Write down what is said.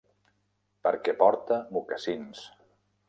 Perquè porta mocassins.